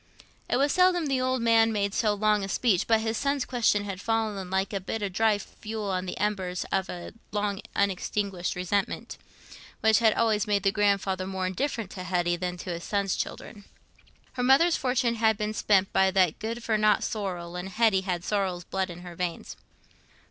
It was seldom the old man made so long a speech, but his son's question had fallen like a bit of dry fuel on the embers of a long unextinguished resentment, which had always made the grandfather more indifferent to Hetty than to his son's children. Her mother's fortune had been spent by that good for nought Sorrel, and Hetty had Sorrel's blood in her veins.